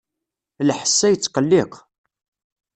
Lḥess-a yettqelliq.